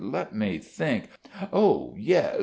Let me think.... Oh, yes!